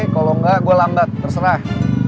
kalo engga gue lambat terserah